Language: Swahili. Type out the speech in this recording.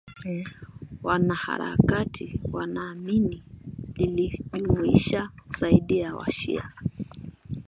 wanaharakati wanaamini lilijumuisha zaidi ya washia